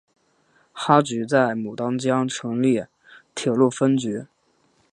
哈局在牡丹江成立铁路分局。